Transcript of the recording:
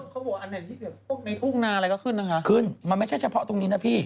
เขาบอกอันไหนที่แบบพวกในทุ่งนาอะไรก็ขึ้นนะคะขึ้นมันไม่ใช่เฉพาะตรงนี้นะพี่